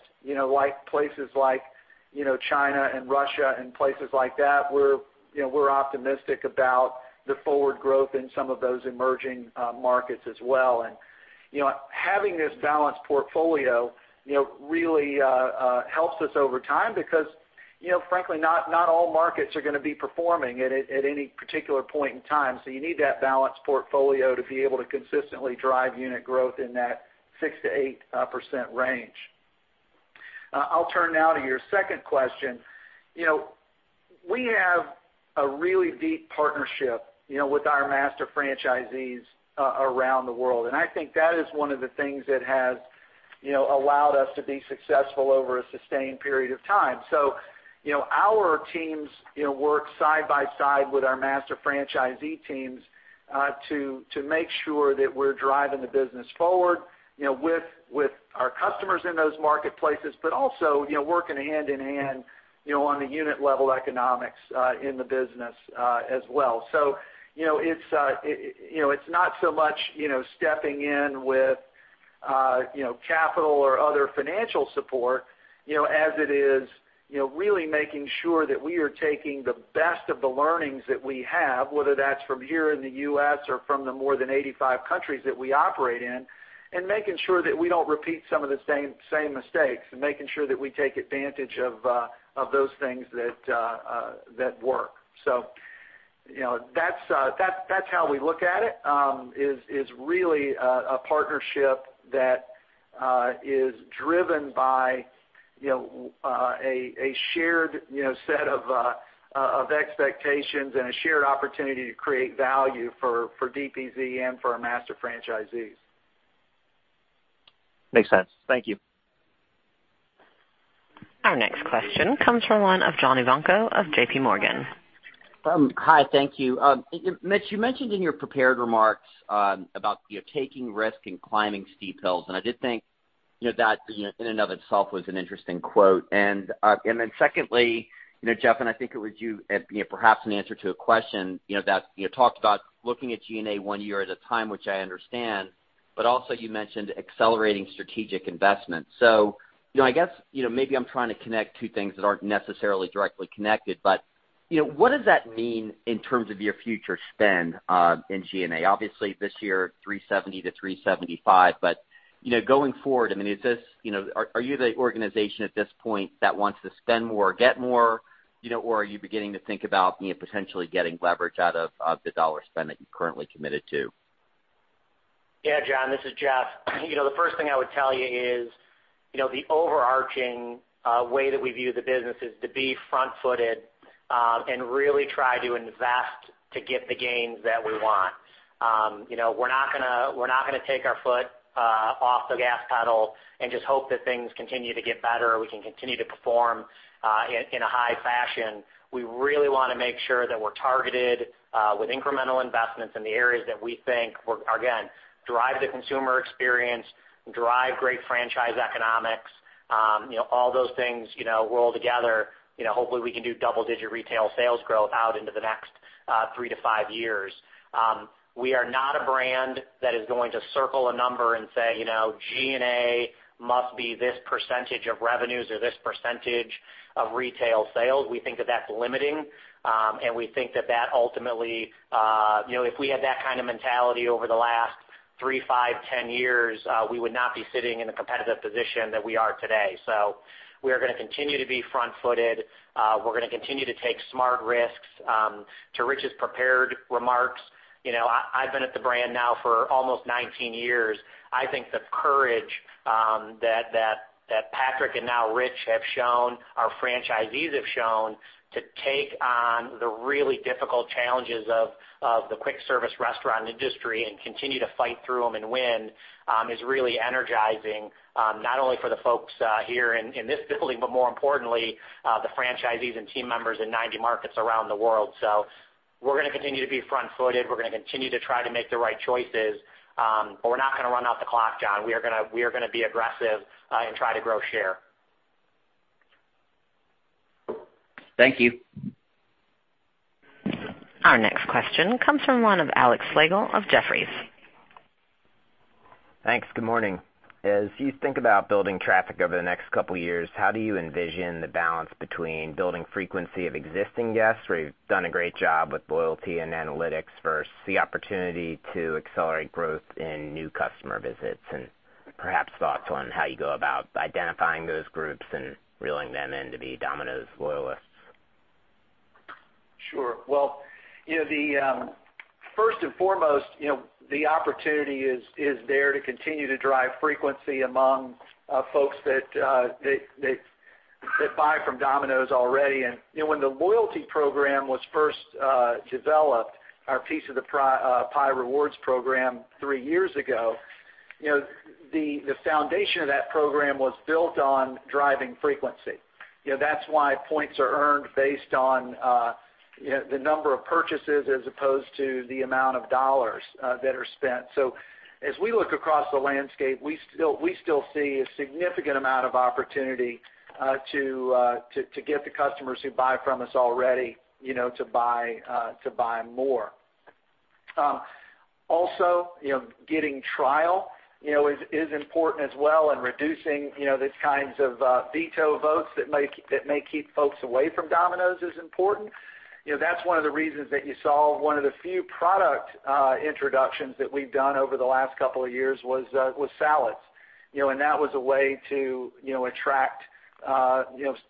places like China and Russia and places like that, we're optimistic about the forward growth in some of those emerging markets as well. Having this balanced portfolio really helps us over time because frankly, not all markets are going to be performing at any particular point in time. You need that balanced portfolio to be able to consistently drive unit growth in that 6%-8% range. I'll turn now to your second question. We have a really deep partnership with our master franchisees around the world, and I think that is one of the things that has allowed us to be successful over a sustained period of time. Our teams work side by side with our master franchisee teams to make sure that we're driving the business forward with our customers in those marketplaces, but also working hand in hand on the unit level economics in the business as well. It's not so much stepping in with capital or other financial support, as it is really making sure that we are taking the best of the learnings that we have, whether that's from here in the U.S. or from the more than 85 countries that we operate in, and making sure that we don't repeat some of the same mistakes and making sure that we take advantage of those things that work. That's how we look at it, is really a partnership that is driven by a shared set of expectations and a shared opportunity to create value for DPZ and for our master franchisees. Makes sense. Thank you. Our next question comes from the line of John Ivankoe of J.P. Morgan. Hi, thank you. Mitch, you mentioned in your prepared remarks about taking risk and climbing steep hills, I did think that in and of itself was an interesting quote. Secondly, Jeff, and I think it was you, perhaps in answer to a question that talked about looking at G&A one year at a time, which I understand, but also you mentioned accelerating strategic investment. I guess maybe I'm trying to connect two things that aren't necessarily directly connected, but what does that mean in terms of your future spend in G&A? Obviously, this year, $370-$375, but going forward, are you the organization at this point that wants to spend more or get more, or are you beginning to think about potentially getting leverage out of the dollar spend that you're currently committed to? Yeah, John, this is Jeff. The first thing I would tell you is the overarching way that we view the business is to be front-footed and really try to invest to get the gains that we want. We're not going to take our foot off the gas pedal and just hope that things continue to get better, or we can continue to perform in a high fashion. We really want to make sure that we're targeted with incremental investments in the areas that we think will, again, drive the consumer experience, drive great franchise economics. All those things roll together. Hopefully, we can do double-digit retail sales growth out into the next three to five years. We are not a brand that is going to circle a number and say G&A must be this % of revenues or this % of retail sales. We think that that's limiting, and we think that ultimately, if we had that kind of mentality over the last three, five, 10 years, we would not be sitting in the competitive position that we are today. We are going to continue to be front-footed. We're going to continue to take smart risks. To Ritch's prepared remarks, I've been at the brand now for almost 19 years. I think the courage that Patrick and now Ritch have shown, our franchisees have shown to take on the really difficult challenges of the quick service restaurant industry and continue to fight through them and win is really energizing, not only for the folks here in this building, but more importantly, the franchisees and team members in 90 markets around the world. We're going to continue to be front-footed. We're going to continue to try to make the right choices. We're not going to run out the clock, John. We are going to be aggressive and try to grow share. Thank you. Our next question comes from one of Alexander Slagle of Jefferies. Thanks. Good morning. As you think about building traffic over the next couple of years, how do you envision the balance between building frequency of existing guests, where you've done a great job with loyalty and analytics, versus the opportunity to accelerate growth in new customer visits? Perhaps thoughts on how you go about identifying those groups and reeling them in to be Domino's loyalists. Sure. Well, first and foremost the opportunity is there to continue to drive frequency among folks that buy from Domino's already. When the loyalty program was first developed, our Piece of the Pie Rewards program three years ago, the foundation of that program was built on driving frequency. That's why points are earned based on the number of purchases as opposed to the amount of dollars that are spent. As we look across the landscape, we still see a significant amount of opportunity to get the customers who buy from us already to buy more. Also, getting trial is important as well and reducing these kinds of veto votes that may keep folks away from Domino's is important. That's one of the reasons that you saw one of the few product introductions that we've done over the last couple of years was salads. That was a way to attract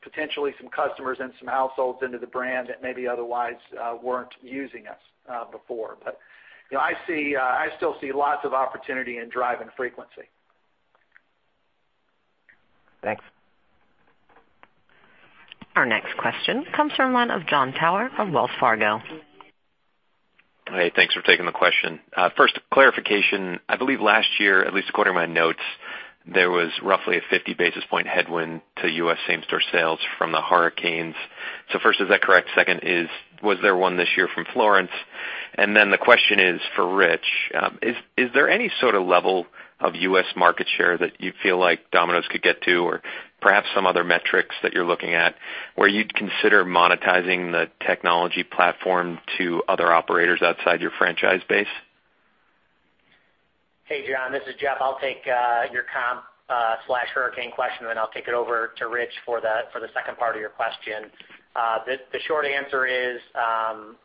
potentially some customers and some households into the brand that maybe otherwise weren't using us before. I still see lots of opportunity in driving frequency. Thanks. Our next question comes from the line of Jon Tower from Wells Fargo. Hey, thanks for taking the question. First, clarification. I believe last year, at least according to my notes, there was roughly a 50 basis point headwind to U.S. same-store sales from the hurricanes. First, is that correct? Second is, was there one this year from Florence? The question is for Ritch. Is there any sort of level of U.S. market share that you feel like Domino's could get to, or perhaps some other metrics that you're looking at, where you'd consider monetizing the technology platform to other operators outside your franchise base? Hey, Jon, this is Jeff. I'll take your comp/hurricane question. I'll take it over to Ritch for the second part of your question. The short answer is,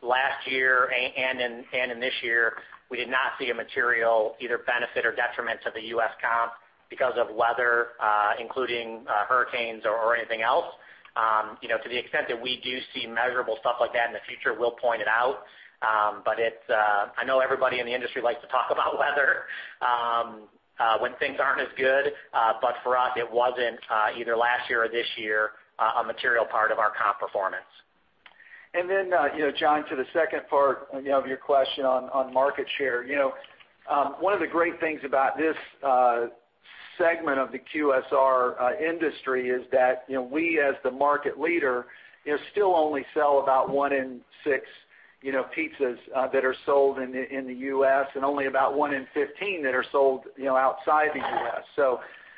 last year and in this year, we did not see a material either benefit or detriment to the U.S. comp because of weather, including hurricanes or anything else. To the extent that we do see measurable stuff like that in the future, we'll point it out. I know everybody in the industry likes to talk about weather, when things aren't as good. For us, it wasn't, either last year or this year, a material part of our comp performance. Jon, to the second part of your question on market share. One of the great things about this segment of the QSR industry is that we, as the market leader, still only sell about 1 in 6 pizzas that are sold in the U.S. and only about 1 in 15 that are sold outside the U.S.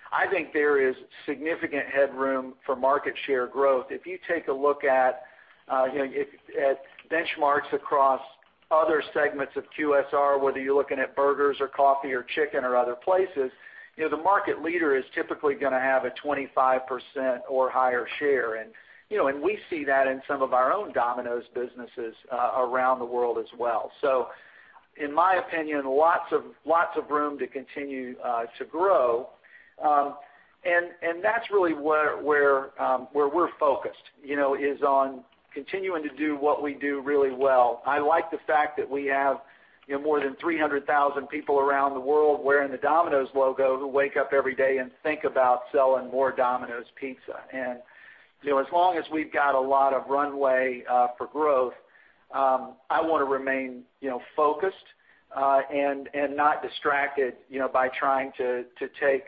I think there is significant headroom for market share growth. If you take a look at benchmarks across other segments of QSR, whether you're looking at burgers or coffee or chicken or other places, the market leader is typically going to have a 25% or higher share. We see that in some of our own Domino's businesses around the world as well. In my opinion, lots of room to continue to grow. That's really where we're focused, is on continuing to do what we do really well. I like the fact that we have more than 300,000 people around the world wearing the Domino's logo who wake up every day and think about selling more Domino's Pizza. As long as we've got a lot of runway for growth, I want to remain focused and not distracted by trying to take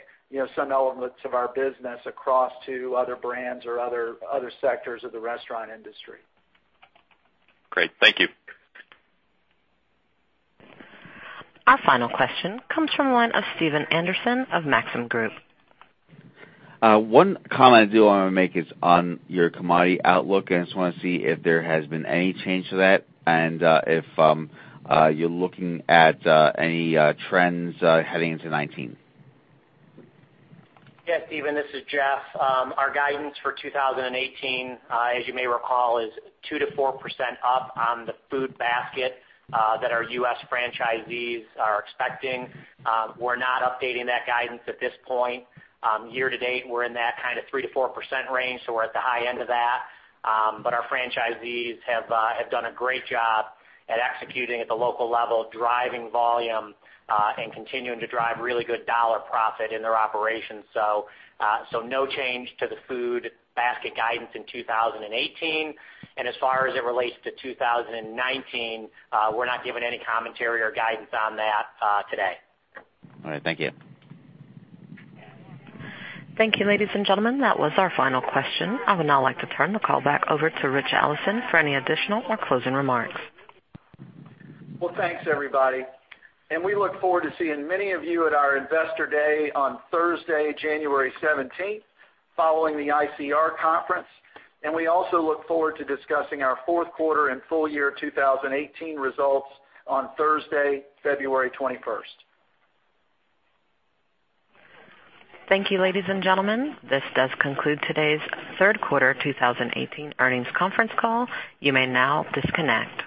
some elements of our business across to other brands or other sectors of the restaurant industry. Great. Thank you. Our final question comes from the line of Stephen Anderson of Maxim Group. One comment I do want to make is on your commodity outlook. I just want to see if there has been any change to that and if you're looking at any trends heading into 2019. Stephen, this is Jeff. Our guidance for 2018, as you may recall, is 2%-4% up on the food basket that our U.S. franchisees are expecting. We're not updating that guidance at this point. Year to date, we're in that kind of 3%-4% range, so we're at the high end of that. Our franchisees have done a great job at executing at the local level, driving volume, and continuing to drive really good dollar profit in their operations. No change to the food basket guidance in 2018. As far as it relates to 2019, we're not giving any commentary or guidance on that today. All right. Thank you. Thank you, ladies and gentlemen. That was our final question. I would now like to turn the call back over to Ritch Allison for any additional or closing remarks. Well, thanks, everybody. We look forward to seeing many of you at our Investor Day on Thursday, January 17th, following the ICR conference. We also look forward to discussing our fourth quarter and full year 2018 results on Thursday, February 21st. Thank you, ladies and gentlemen. This does conclude today's third quarter 2018 earnings conference call. You may now disconnect.